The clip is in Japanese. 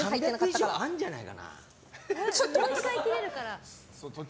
３００以上あるんじゃないかな。